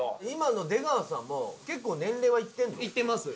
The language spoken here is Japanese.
今の出川さんも結構年齢はいってんの？